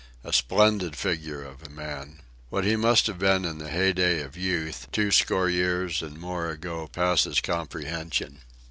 A splendid figure of a man! What he must have been in the hey day of youth two score years and more ago passes comprehension.